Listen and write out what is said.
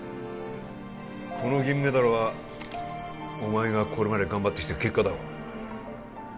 この銀メダルはお前がこれまで頑張ってきた結果だろ